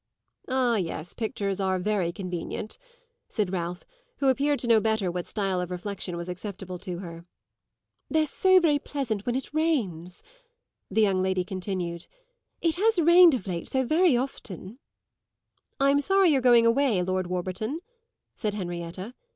"Ah yes, pictures are very convenient," said Ralph, who appeared to know better what style of reflexion was acceptable to her. "They're so very pleasant when it rains," the young lady continued. "It has rained of late so very often." "I'm sorry you're going away, Lord Warburton," said Henrietta.